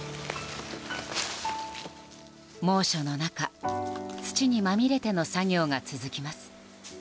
猛暑の中、土にまみれての作業が続きます。